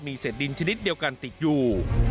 เศษดินชนิดเดียวกันติดอยู่